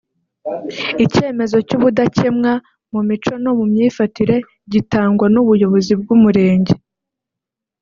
icyemezo cy’ubudakemwa mu mico no mu myifatire gitangwa n’ubuyobozi bw’umurenge